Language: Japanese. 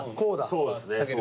そうですね。